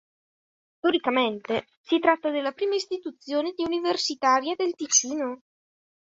Storicamente, si tratta della prima istituzione di universitaria del Ticino.